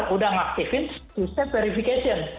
sudah mengaktifkan dua step verification